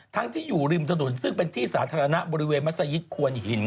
ที่อยู่ริมถนนซึ่งเป็นที่สาธารณะบริเวณมัศยิตควนหิน